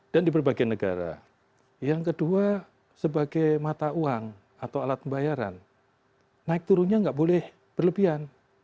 dan di berbagai negara yang kedua sebagai mata uang atau alat pembayaran naik turunnya enggak boleh berlebihan